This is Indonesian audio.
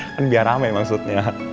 kan biar rame maksudnya